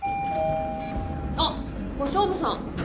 あっ小勝負さん。